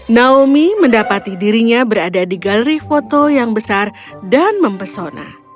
naomi mendapati dirinya berada di galeri foto yang besar dan mempesona